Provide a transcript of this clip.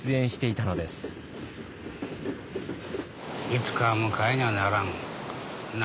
いつかは迎えにゃならん。